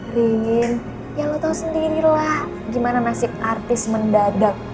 dingin ya lo tau sendirilah gimana nasib artis mendadak